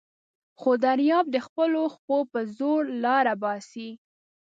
خو دریاب د خپلو څپو په زور لاره باسي.